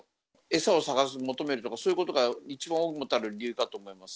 餌を探し求めるとか、そういうことが一番主たる理由だと思います。